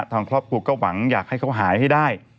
ทางครอบครัวก็หวังอยากให้เขาหายให้ได้